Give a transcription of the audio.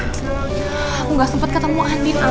aku gak sempat ketemu andin al